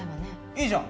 いいじゃん